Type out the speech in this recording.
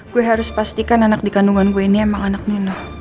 gue harus pastikan anak di kandungan gue ini emang anak nyona